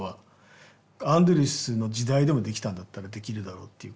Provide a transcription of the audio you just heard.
アンドリュースの時代でもできたんだったらできるだろうっていうか。